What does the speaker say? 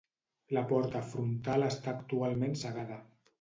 La porta frontal està actualment cegada.